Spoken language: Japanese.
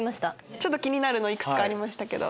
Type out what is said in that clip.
ちょっと気になるのいくつかありましたけど。